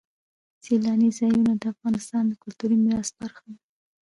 سیلاني ځایونه د افغانستان د کلتوري میراث برخه ده.